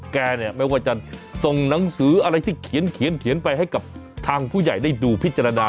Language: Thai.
แกเนี่ยไม่ว่าจะส่งหนังสืออะไรที่เขียนไปให้กับทางผู้ใหญ่ได้ดูพิจารณา